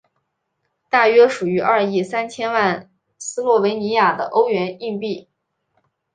大约属于二亿三千万斯洛维尼亚的欧元硬币。